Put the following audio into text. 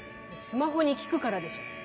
スマホに聞くからでしょ。